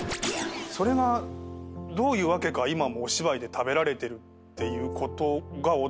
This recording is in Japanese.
それがどういうわけか今もお芝居で食べられてるっていうことが驚きでしかない。